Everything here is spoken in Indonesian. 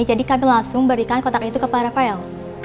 jadi kami langsung berikan kotak itu ke pak rafael